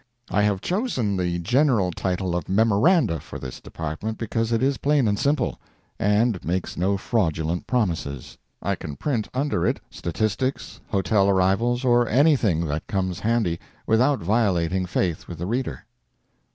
I have chosen the general title of MEMORANDA for this department because it is plain and simple, and makes no fraudulent promises. I can print under it statistics, hotel arrivals, or anything that comes handy, without violating faith with the reader.